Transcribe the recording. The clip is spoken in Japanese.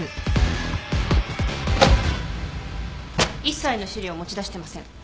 一切の資料を持ち出してません。